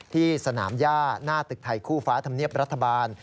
ที่สนามย่าหน้าตึกไทยคู่ฟ้าธรรมเนียบรัฐบาล